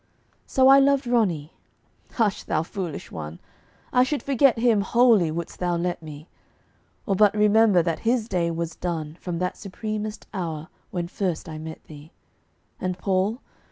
"So I loved Romney." Hush, thou foolish one I should forget him wholly wouldst thou let me; Or but remember that his day was done From that supremest hour when first I met thee. "And Paul?"